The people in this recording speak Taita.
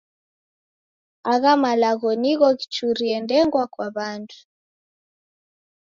Agha malagho nigho ghichurie ndengwa kwa w'andu.